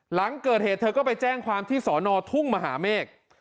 หลังเกิดเหตุเธอก็ไปแจ้งความที่สอนอทุ่งมหาเมฆ